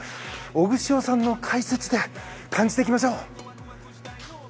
オグシオさんの解説で感じていきましょう。